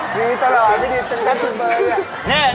ดีตลอดดีจริงจ๊ะจุ่งเบอร์